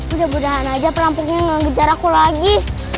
udah udahan aja perampoknya mengejar aku lagi